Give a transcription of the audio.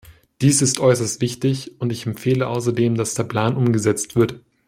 Dies ist äußerst wichtig, und ich empfehle außerdem, dass der Plan umgesetzt wird.